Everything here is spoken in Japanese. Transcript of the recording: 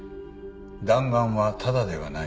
「弾丸はタダではない。